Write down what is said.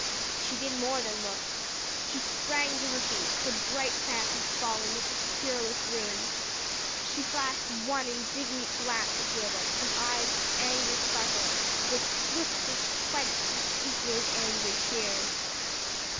She did more than look. She sprang to her feet, her bright fancies fallen into cureless ruin. She flashed one indignant glance at Gilbert from eyes whose angry sparkle was swiftly quenched in equally angry tears.